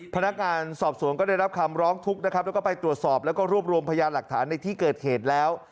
พนักงานสอบสวนก็ได้รับคำร้องทุกข์นะครับแล้วก็ไปตรวจสอบแล้วก็รวบรวมพยานหลักฐานในที่เกิดเหตุแล้ว